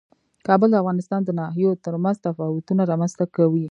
کابل د افغانستان د ناحیو ترمنځ تفاوتونه رامنځ ته کوي.